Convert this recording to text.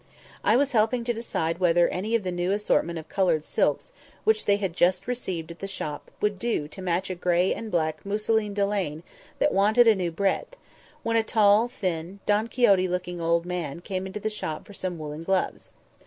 I was helping to decide whether any of the new assortment of coloured silks which they had just received at the shop would do to match a grey and black mousseline delaine that wanted a new breadth, when a tall, thin, Don Quixote looking old man came into the shop for some woollen gloves.